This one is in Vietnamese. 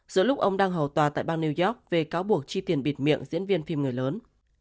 giữa lúc ông đang hầu tòa tại bang new york về cáo buộc chi tiền bịt miệng diễn viên phim người lớn